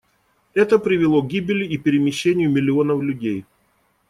Это привело к гибели и перемещению миллионов людей.